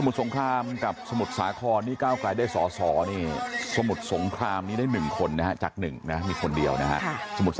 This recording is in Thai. มีอนาคตได้กับคนไทยทุกคนครับไม่ว่าท่านจะเรียกผมหรือไม่เรียกผม